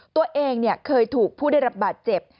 ตัวเองเคยถูกผู้ได้รับบาดเจ็บ